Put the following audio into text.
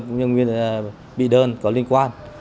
cũng như bị đơn có liên quan